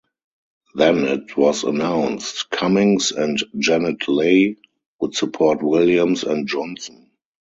Then it was announced Cummings and Janet Leigh would support Williams and Johnson.